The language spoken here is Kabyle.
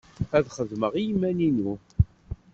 Ad xedmeɣ i yiman-inu.